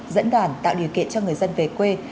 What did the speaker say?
dẫn đoàn tạo điều kiện cho người dân về quê